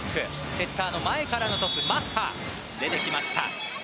セッターの前からのトス、マッハ出てきました。